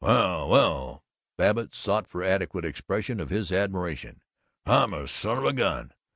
"Well well " Babbitt sought for adequate expression of his admiration. "I'm a son of a gun!